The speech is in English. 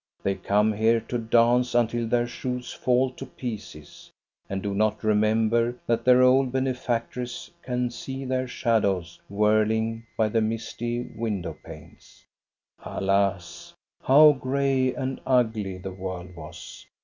They come here to dance until their shoes fall to pieces, and do not remember that their old benefactress can see their shadows whirling 1 84 THE STORY OF GO ST A BERLING by the misty window panes. Alas, how gray and ugly the world was!